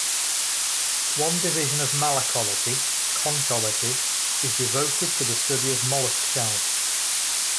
One division of malacology, conchology, is devoted to the study of mollusk shells.